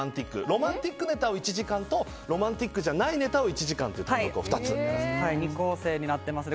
ロマンティックネタを１時間とロマンティックじゃないネタを１時間というのを２つやらせていただきます。